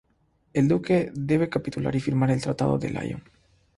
El Duque debe capitular y firmar el Tratado de Lyon.